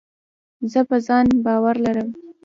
زه په ځان باور لرم.